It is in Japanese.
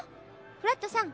フラットさん